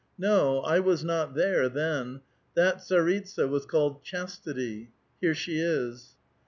No, I was not there, then. That tsaritsa was called ' Chastity.' Here she is."